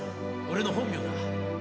俺の本名だ。